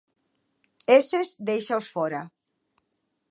¿Eses déixaos fóra?